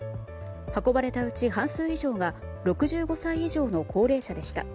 運ばれたうち半数以上が６５歳以上の高齢者でした。